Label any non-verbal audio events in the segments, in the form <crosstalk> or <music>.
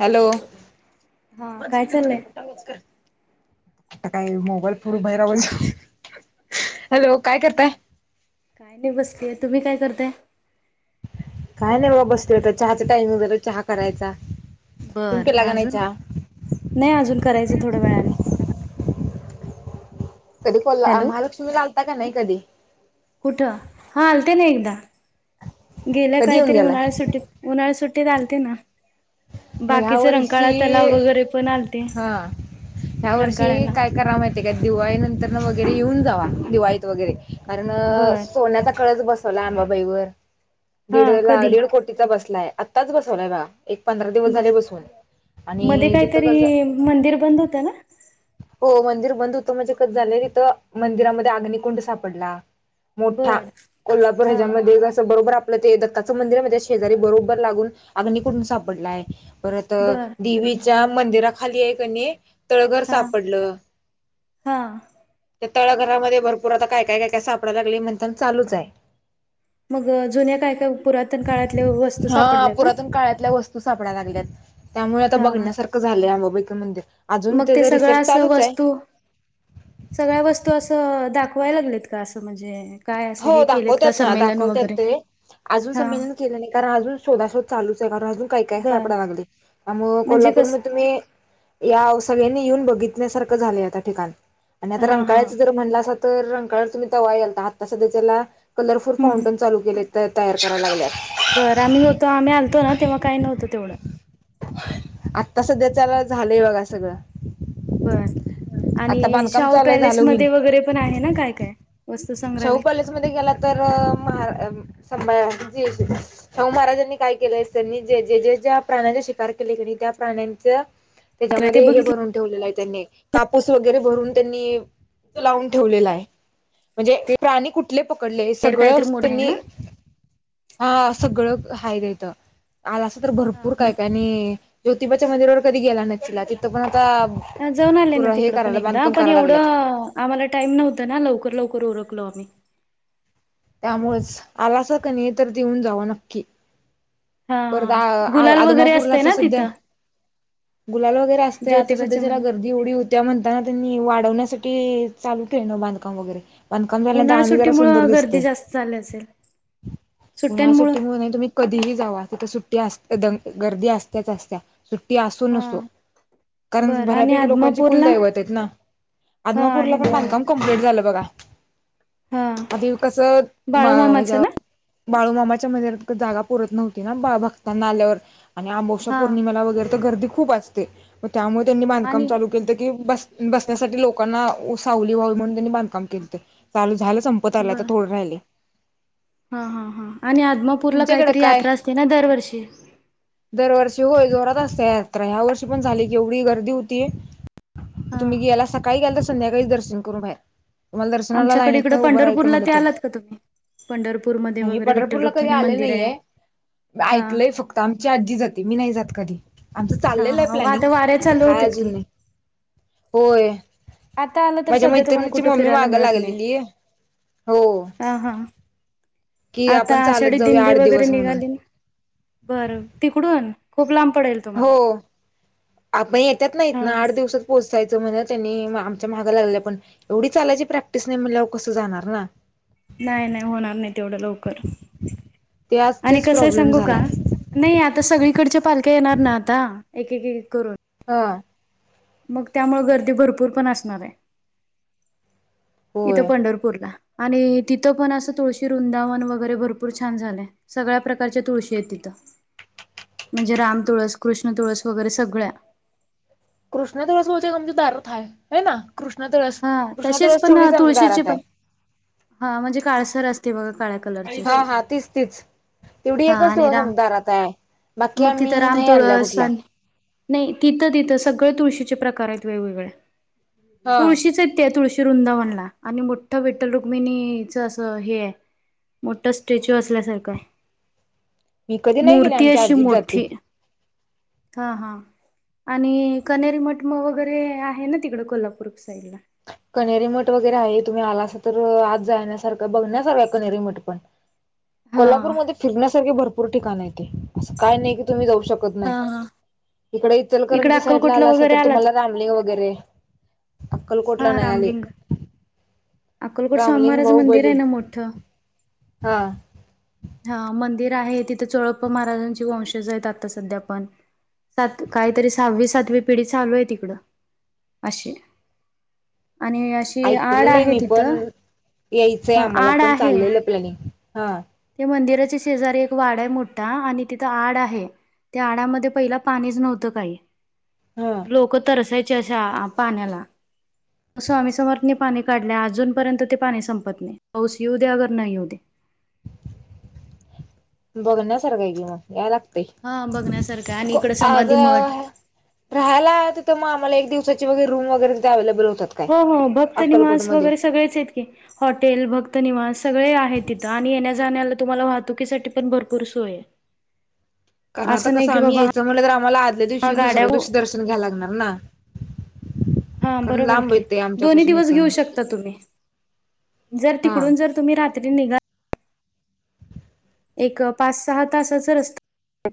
Hello हा म काय त चाललंय मोटाच आता काय मोबाईल पुढे बाहेरव हॅलो काय करताय. काय नाही बसतेय तुम्ही काय करताय. काय नाही बाबा बसले हो तर चहाचा टाइमिंग झालं चहा करायचा. तुम्ही बरं पिला का नाही अजून चहा नाही अजून करायच थोड्या वेळाने कधी को महालक्ष्मी लालता का नाही कधी कुठ हा हलते ना एकदा गेल्या कधी येऊन काहीतरी गेला उन्हाळा सुट्टीत उन्हाळा सुट्टीत आलते ना. मग ह्या बाकीच वर्षी रंकाळा तलाव वगैरे पण आलते हा ह्या वर्षी रंकाळ्याला काय करा माहि आहे का दिवाळी नंतर वगैरे येऊन दिवाळीत वगैरे कारण बर सोन्याचा कळच बसवला अबाबाईवर हा दीड ला कधी दीड कोटीचा बसलाय आत्ताच बसवलाय बा बर मध्ये आणि तिथं कसं काहीतरी मंदिर बंद होतं ना हो मंदिर बंद होतं म्हजे कत झालं तिथं मंदिरामध्ये अग्निकुंड सापडला मोठा बर कोल्हापूर हा ह्याच्यामध्येस बरोबर आपलं ते दत्ताचं मंदिर म त्या शेजारी बरोबर लागून अग्न कुठून सापडला आहे परत बर देवीच्या मंदिराखाली आहे काणी तळघर हा साप पडलं हा त्या तळ घरामध्ये भरपूर आता काय काय काय काय सापडयला लागले म्हण चालूच आहे मग जुन्या काय काय पुरातन काळातल्या वस्तू हा सापडल्या का पुरातन काळातल्या वस्तू सापडायला लागल्यात त्यामुळे आता हा बघण्यासारखं झालंय अंबाबाईकर मंदिर अजून त्याचा रिसर्च अस चालूच आहे. वस्तू सगळ्या वस्तू असं दाखवाय लागलेत का असं म्हणजे काय असं हो हे केलेत का दाखवतात ना संमेलन दाखवतात वगैरे ते अजून हा संमेलन केलं नाही कारण अजून शोधाशोध चालूच आहे कारण अजून काही काय बर सापड लागले म्हणजे कस त्यामु तु सगळ्यांनी येऊन बघितल्यासारं झालंय त्या ठिकाण आणि आता हा हा रंकाचं जर म्हणलं अस तर रंकाळ तुम्ही तवा यायलता हात सध्या त्याला कलरफुल हम्म फाउंटेन चालू केले तयार कराव लागल्यात बरं आम्ही होतो आम्ही आलतो ना तेव्हा काही नव्हतं तेवढं आत्ता सध्या चला झालंय बघा सगळं बर आता आणि बांधकाम शाहू चालूय पॅलेस झालं म होईल वगैरे पण आहे ना काय काय वस्तू शाहू संग्रहालय पॅलेसमध्येध्ये गेला तर म शाहू महाराजांनी काय केलं त्यांनी ज जे ज ज्या प्राण्याचे शिकार केले प्राण्यांच ते त्याच्यामध्ये हे बघितलं भरून ठेवलेलं आहे त्यांनी कापूस वगैरे भरून त्यांनी लावून ठेवलेला आहे म्हणजे प्राणी कुठे कले पकडले तेर सगळं काहीतरी मोठं आहे त्यांनी ना हा सगळं हाय देत आज असं तर हा भरपूर काय काय मग आणि ज्योतिबाच्या मंदिरावर कधी गेला नक्ला तिथं पण आता जाऊन आले पुर ना हे तिकड पण करायला एकदा बांधकाम पण करायला एवढं लागल्यात आम्हाला टाइम नव्हतं ना लवकर लवकर करोर क्लॉमी त्यामुळे आलासा क नाही तर देऊन जावं नक्की हा परत हा गुलाल वगैरे आदमापूरला असतय तर ना सध्या तिथं गुलाल वगैरे असते आता सध्या ज्योतिबाच्या त्याला मंदिर गर्दी एवढी होत्या म्हणताना त्यांनी वाढवण्या चालू ट्रेन बांधकाम वगैरे बांधकाम उन्हाळी झाल्यानंत अी जरा सुट्टीमुळ सुंदर गर्दी दिसते. जास्त झाली असेल. सुट्ट्यांमुळ पुनसाठी म्ह तुम्ही कधीही जा. सुट्टी अस द गर्दी असत्याच असत्या सुट्टी असू हा नसो. कारण बर आणि बऱ्यापैकी लोकांची कुल आदमापूरला दैवत आहेत ना हा आहे आदमापूरला ना पण हो बांधकाम कमप्लीट झालं बघा. हा आधी कसं म बाळूमामाचं हच्या. ना बाळूमाच्या मंदिरात जागा पुरत नव्हती ना भक्तांना आल्यावर आणि आमौषा हा पौर्णिमाेला वगैरे गर्दी खूप असते म त्यामुळे त्यांनी बांधकाम आणि चाल केलं तर क बस. बसण्यासाठी लोकांना सावली व्हावी म्हणून त्यांनी बांधकाम केलं चालू झालं. संपत आला बर आ थड राहिले. हा. हा हा आणि आदमापूरला तुमच्याकडे काहीतरी काय यात्रा असते ना दरवर्षी शवय जोरात असत या यात्रा ह्या वर्षी पण झाली की एवढी गर्दी होतीय. हा तुम्ही याला सकाळी कााल तर संध्याकाळीच दर्शन करू बाहेर. तुम्हाला दर्शनाला लाईन आमच्याकडे येत इकडं नाही उभं राहायचं पंढरपूरला म्हलं ते तर आलात का तुम्ही पंढरपूरमध्ये नाही वगैरे विठ्ठल पंढरपूरला कध रुक्मिणी आले मंदिर आहे नाहीये हा ऐकलय फक्त आमची आजी जाते मी नाही जात कधी आमचं हा चाललेलं आहे हा प्लॅनिंग वाऱ्या आता चालू काय होतेत अजून की नाही होय. आता आलं तर माझ्या सध्या तुम्हाला मैत्रिणीची कुठे मम्मी फिरायला मागा मिळत नाही. लागलेली हो हा हा. कि आता आपण चाल. दिंडी वैगरे निघाली न बर तिकडून खूप लांब पडेल हो तुम्हाला आपण येतात नाहीत ना हा आठ दिवसात पोहच. असायचं म्हण त्यांनी आमच्या महागा लागल्या पण एवढी चालायची प्रॅक्टिस नाही म्हण कसं जाणार ना. नाही नाही होणार नाही तेवढं लवकर ते आज आणि तेच कसंय प्रॉब्लेम सांगू का झालाय नाही आता सगळी सगळी कडच्या पालख्या येणार ना आता एक एक करून. हा. मग त्यामुळे गर्दी भरपूर पण असणार आहे. इथं होय पंढरपूरला आणि तिथं पण असं तुळशी वृंदावन वगैरे भरपूर छान झालंय. सगळ्या प्रकारच्या तुळशी आहेत तिथं. म्हणजे राम तुळस कृष्ण तुळस वगैरे सगळ्या कृष्ण दिवस बोलचे म्हमज दारथय है ना. कृष्ण तुळस हा कृष्ण तसेच तुळस पण तेवढीच आमच्या तुळशीचे दारात पण आहे. हा म्हणजे काळसर असते बघा काळ्या कलरची हा अशी हा तीच तीच तेवढी हा एकच आणि थोडं राम संमता आताय बाकी मग तिथं आम्ही राम नाही आणल्या तुळस कुठल्या? आणि नाही तिथं तिथं सगळे तुळशीचे प्रकार आहेत वेगवेगळे हा. तुळशीच य ते तुळशी वृंदावनला आणि मोठं विठ्ठल रुक्मिणीच असं हे आहे. मोठा स्टॅच्यू असल्यासारखं मी कधी नाही गेले मूर्ती आमच्या अशी आजीच जाते. मोठी हा हा आणि कनेरी मटम वगैरे आहे ना तिकड कोल्हापूर <unintelligible> कनेरीमठ वगैरे आहे तुम्ही आला अस तर आज जाण्यासारखं बघण्यासारखा कनेरीमठ पण हा कोल्हापूरमध्येध्ये फिरण्यासारखे भरपूर ठिकाण ते असं काय नाही की तुम्ही जाऊ शक. श हा नाही हा इकडे इकडे इचलकरांच्या साईड ला अक्कलकोटला आला अस वगैरे तर आलात तुम्हाला रामलेंग वगैरे अक्कलकोटला नाही आली. अकोलकोट स्वामी महाराज मंदिर आहे ना मोठं. हा हा मंदिर आहे तिथे चोळप्प महाराजांचे वंशज आहेत आता सध्या पण सात काहीतरी सहावी सातवी पिढी चालू आहे तिकडं अशी आणि अशी आड ऐकलेलं आहे मी पण तिथं यायचंय ह आम्हाला आड पण आहे. चाललेलं प्लॅनिंग हा मंदिराची शेजारी एक वाडा आहे मोठा आणि तिथं आड आहे. त्या आडामध्ये पहिला पाणीच नव्हतं काही हा. लोक तरसायच. विष पाण्याला असं आमीही समर्थने पाणी काढले अजूनपर्यंत ते पाणी संपत नाही पाऊस येऊ दे्या अगर नाही येऊ दे. बघण्यासारखा आहे कि मग या लागत. हा बघण्यासारखं आणि इकडे समाधी मठ आता राहाला आ तिथ मग मला एक दिवसाची वर रूम वगैरे अवैलेबल होतील. हो हो भक्तनिवास वगैरे सगळेच आहेत की हॉटेल भक्तनवास सगळे आहेत तिथं आणि येण्या तुम्हाला वाहतुकीसाठी पण भरपूर सोय कारण आता असं नाही कसं की आम्ही बाबा यायचं म्हलं तर आम्हाला आदल्या हा दिवशी दुसऱ्या गाड्या दिवशी दर्शन घ्याय लागणार ना. हा कारण बरोबर लांब की येत ते दोन्ही आमच्यापासून दिवस घेऊ इथून शकता तुम्ही जर हा तिकडून जर तुम्ही रात्री निघाल एक पाच सहा तासाचा रस्त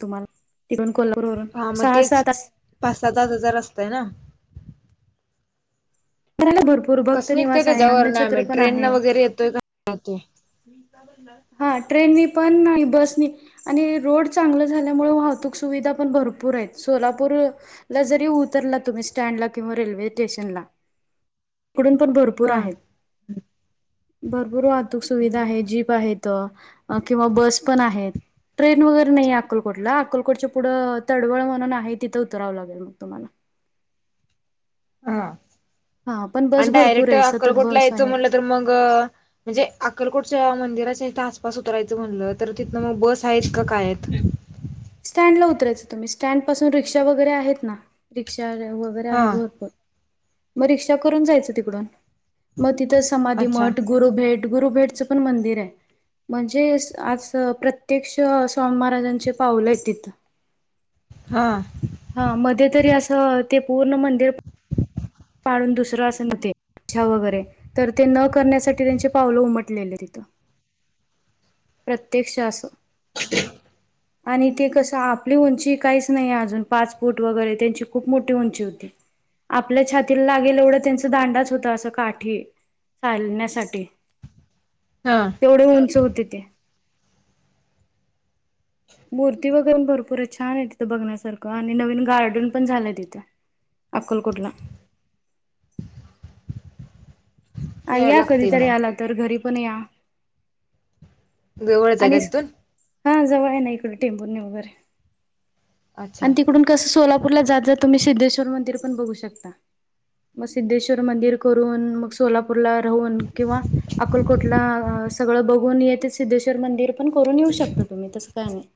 तुम्हाला तथून को हा मग तेच पाच सात आच हजार असतय ना फिरायला भरपूर कस भक्त निघते निवास ते आहे जववर नाही अन्नछत्र आम्ही पण ट्रेन आहे ना वगैरे येतोय का राह हा ट्रेन नी पण नाही बस आणि रोड चांगल झाल्यामुळे वाहतूक सुविधा पण भरपूर आहेत सोलापूर जरी उतरला तुम्ही स्टँडला किंवा रेल्वे स्टेशनला इकडून पण भरपूर हा आहेत भरपूर वाहतूक सुविधा आहे जीप आहेत किंवा बस पण आहेत ट्रेन वगैरे नाहीये अकलकोटला अकलकोटच्या पुढं तडवळ म्हणून आहे तिथं उतरावं लागेल मग तुम्हाला <inaudible> हा हा पण बस आणि भरपूर डायरेक्ट आहे सतत अक्कलकोटला बस यायचं आहेत. म्हटलं तर मग म्हणजे अक्कलकोटच्या मंदिरा थ आसपास उतरायचं म्हणलं तर तिथनं मग बस आहेत का काय आहेत स्टँड ला उतरायचं तुम्ही स्टँड पासून रिक्षा वगैरे आहेत ना रिक्ष र् वगैरे हा आहेत भरपूर मग रिक्षा करून जायचं तिकडून मती तर समाधी अच्छा मठ गुरुभेट ुरुेटच पण मंदिर आहे म्हणजे आज प्रत्यक्ष स्वामी महाराजांचे पावलं तिथं हा हा मध्ये तरी असं ते पूर्ण मंदिर काून दुसरं असेव्हते इच्छा वगैरे तर ते न करण्यासाठी त्यांचे पावलं उमटलेले तिथं प्रत्यक्ष असं <inaudible> आणि ते कसं आपली उंची काहीच नाही अजून पाच फूट वगैरे त्यांची खूप मोठी उंची होती आपल्या छातीला लागेल एवढं त्यांच दांडाच होता असं काठी चालण्यासाठी हा तेवढे उंच होते ते मूर्ती वगैर भरपूर छान आहे तिथं बघण्यासारखं आणि नवीन गार्डन पण झालंय तिथं अकोलकटला आ याय या लागतय कधीतरी मग आला तर घरी पण या एवढंच आहे आणि का तिथून हा जवळ आहे ना इकडे टेंबू वगैरे अच्छा आणि तिकडून कस सो परला जात जा तुम्ही सिद्धेश्वर मंदि पण बघू शकता मग सिद्धेश्वर मंदिर करून मग सोलापूर र राहून किंवा अकोलकोटला सगळं बघून येते सिद्धेश्वर मंदिर पण करून येऊ शकता तुम्ही तस काय नाही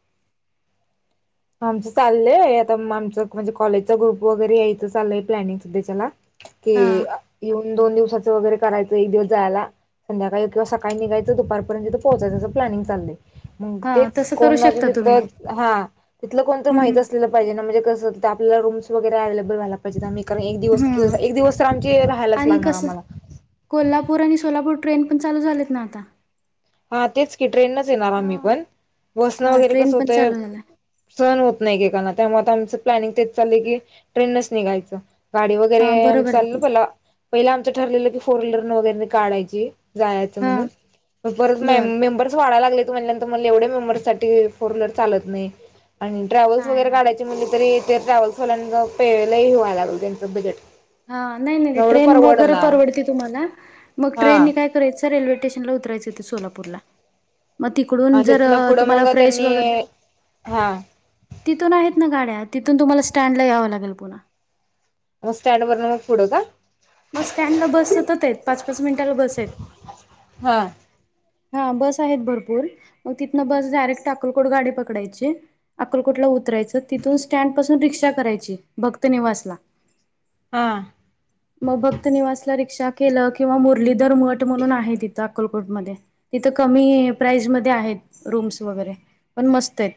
आमचं चाललंय आता आमचं म्हणजे कॉलेजचा ग्रुप वगैरे यायचं चाललंय प्लॅनिंग सुद्धा त्याला क हा. येऊन दोन दिवसा वगैरे करायचं एक दिवस जायला सं्याकाळी किंवा सकाळी निघायच दुपर्यंत तो पोहचाचं प्लनिंग लय मग हा तेच तसं करू कोण शकता तुम्ही तर हा तिलं कोणत हम्म माित असलं पाहिजे ना म्हणजेस आपला रूमस वगैर अवेलेबल वयलाहिजेम् कारण एक दिवस हम्म एक दिवस तर आमचे राहायलाच आणि लागणार कसं आम्हाला कोल्हापूर आणि सोलापूर ट्रेन पण चालू झालेत ना आता हा तेच क ट्रेनच येणार हा. आम्ही पण बसनं हा वगैरे ट्रेन कसं पण होतय चालू झाला सण होत नाहीेकाना त्यामुळे आता आमचं प्लॅनिंग तेच चाललंय की ट्रेनच निघायचं गाडी हा वगैरे बरोबर आहे चाललं की पला पहिले आमचं ठरलेलं की फोर व्हीलर वगैरे काढायची जायचं हा म्हणून परत बर मेंबर्स वाढाला लागले म्हणल्यानंतर मला एवढ्या मेंबरससाठी फोर्हीलर चालत नाही आणि ट्रॅव्हल्स नाही वगैरे नाही. काढायचे म्हणले तरी ते ट्रॅव्हल्सवाल्यांना पेलाही ह्यावा लागल त्यांचं बजेट हा नाही नाही नाही एवढं ट्रेन वगैरे परवडना परवडते तुम्हाला मग हा ट्रेननी काय करायचं र रेल्वे्टेशनला उतरायचं हो तें सोलापूरला मग तिकडून जर तिथनं पुढं तुम्हाला मग फ्रेश त्यांनी वगैरे हा तिथून आहे गाड्या तिथून तुम्हाला स्टँडला याव लागेल पुन मग स्टँड वर पुडू का मग स्टँडला बस सतत आहेत पाच पाच मिनटाला बस आहेत हा हा बस आहेत भरपूर मग तिथनं बस डायरेक्ट अकलकोट गाडी पकडायची अकलकोटला उतरायचं तिथून स्टँड पासून रिक्षा करायची भक्त निवासला हा मग भक्त निवासला रिक्षा केलं किंवा मुरलीधर मठ म्हणून आहे तिथं अकलकोटमध्ये तिथं कमी प्राईजमध्येध्ये आहेत रूम्स वगैरे पण मस्त आहेत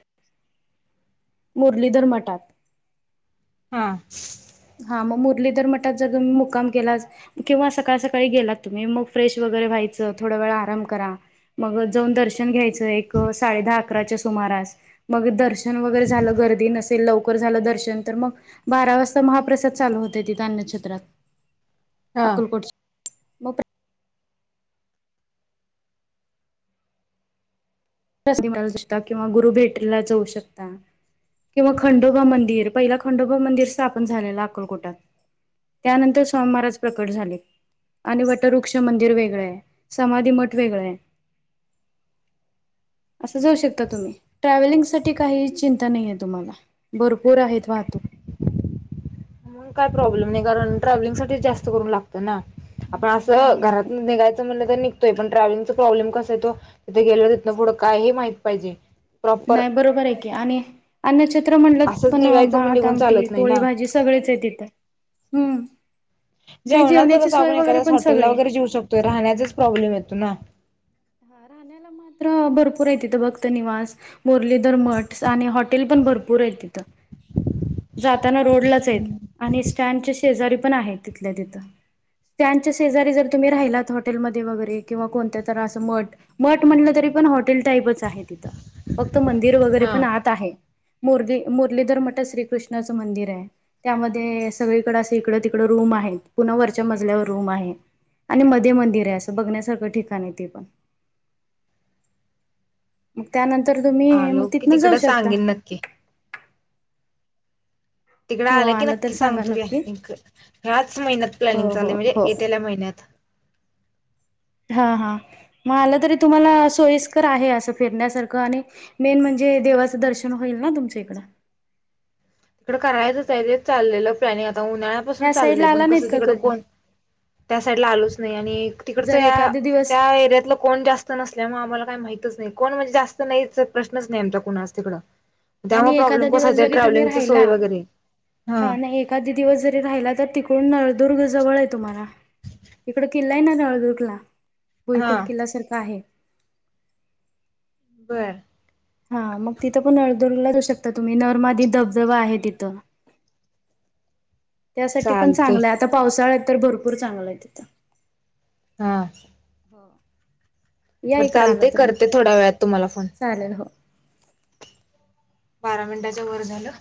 मुरलीधर मटात हा हा मग मुरलीधर मटात जर तुम्ही मुकाम गेला किंवा सकाळ सकाळी गेलात तुम्ही मग फ्रेश वग व थोड व आराम करा जाऊन दर्शन घ्यायच अ दर्शन वर झा गर् ल झालं दर्शन तर मग बारा वाजता महाप्रसाद चालू होत हा अक्कलकोट मग ला दिसत किंवा गुरु भेटला जाऊ शकता किंवा खंडोबा मंदिर पहिला खंडोबा मंदिर स्थापन झालेलं अकलकोटात त्यानंतर सोमवारच प्रकट झाले आणि वटवृक्ष मंदिर वेगळ आहे समाधी मठ वेगळेय असं जाऊ शकता तुम्ही ट्रॅव्हलिंग साठी काही चिंता नाहीय तुम्हाला भरपूर आहेत वा त मग काय प्रॉब्लेम नाही कारण ट्रॅव्हलिंग साठी जास्त करून लागतं ना आपण असं नाही घरात नाही निघायचं म्हणलं तर पण ट्रॅव्हलिंग प्रॉब्म कस येतो तथे गेल्यावर तथनं पुढं काय हे माहित पाहिजे प्रॉपर नाही बरोबर आहे की आणि अन्नक्षेत्र म्हटलं असंच पण निघायचं मग भात निघून आमटी चालत नाही पोळी ना भाजी सगळेच आहे तथं हम्म नाही जेवणाचं जेवणाची कसं सोय आपण वगैरे एखाद्या पण हॉटेलला सगळी आहे. वगैरे जेऊ शकतोय राहण्याचाच प्रॉब्लेम येतो ना राहण्याला मात्र भरपूर आहे तिथं भक्तनवास मुरलीधर मठ आणिॉ पण भरपूर आहे तिथ आताना रोडलाच आहेत आणि स्टँड शेजारी पण आहे तिथल्या तिथं त्यांच्या शेजारी जर तुम्ही राहिलात हॉटेलमध्ये वगैरे किंवा कोणत्या त असं मठ मठ म्हटलं तरी पण हॉटेल टाईपच आहे तिथं फक्त मंदिर वगैरे हा पण आत आहे मुरली मुरलीधर श्रीकृष्णाचं मंदिर आहे त्यामध्ये सगळीकडें असं इकड तिकड रूम आहे पुन वरच्या मजल्यावर रूम आहे. आणि मध्ये मंदिर आहे असं बघण्यासारखं ठिकाण आहे ते पण. मग त्यानंतर तुम्ही मग आलो की तिथनं जाऊ तिकडं शकता. सांगेन नक्की तिकडं हो आलं की आला तर नक्की सांग सांगा तू घ्या नक्की ह्याच महिन्यात प्लॅनिंग चाललय म्हणजे येत्याल्या महिन्यात. हा. म आलं तरी तुम्हाला सोयीस्कर आहे असं फिरण्यासारखं आणि मेन म्हणजे देवाचं दर्शन होईल ना तुमच्या इकडं. करायच आहे ते चाललेलं प्लॅनिग आता उन्हाळ्यापासून ह्या साईडला चालयय पण आला नाहीत कसं का तिकडे कधी कोण त्या साईडला आलोच नाही आणि तिकडच जर या एखादा दिवस त्या एरियातलं कोण जास्त नसल्यामुळे आम्हाला काय माहित माच नाही कोण म्हणजे जास्त नाही प्रश्नच नाही आमच्या कोणाच तिकड त्यामुळे आणि ग प्रॉब्लेम कस दिवस जरी तुम्ही ट्रव्हलिंग. एखादा दिवस जरी राहिला त तिकडून जवळ आहे तुम्हाला तिकड किल्ला आहे, ना नळदुर्गला हा भुईकोट किल्ला सारखा आहे. बरं हा मग तिथं पण अळदळूला जाऊ शकता तुम्ही नरमाधी धबधबा आहे तिथं. <inaudible> त्यासाठी पण चालतय चांगलं आहे आता पावसाळा तर भरपूर चांगला आहे तिथं. हा. हो <inaudible> या बरं इकडं चालतय आलं तर मग करते थोड्या वेळात तुम्हाला फोन. चालेल हो. बारा मिनटाच्या वर झालं.